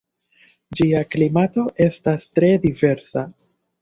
Ĝia klimato estas tre diversa.